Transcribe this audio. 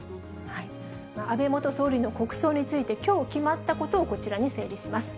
安倍元総理の国葬について、きょう決まったことをこちらに整理します。